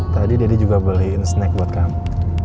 tadi deddy juga beliin snack buat kamu